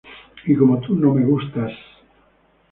Y como tú no me gustas...